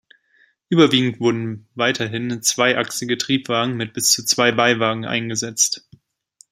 Überwiegend wurden weiterhin zweiachsige Triebwagen mit bis zu zwei Beiwagen eingesetzt.